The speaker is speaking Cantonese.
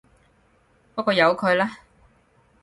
不過由佢啦